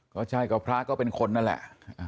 ก็ใช่ก็พระก็เป็นคนนั่นแหละ